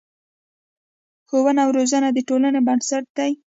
ښوونه او روزنه د ټولنې بنسټ دی.